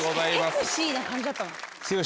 セクシーな感じだった。